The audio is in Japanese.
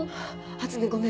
初音ごめん